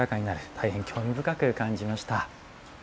大変、興味深く感じました。